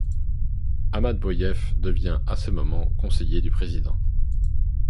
Ahmadboyev devient à ce moment conseiller du président.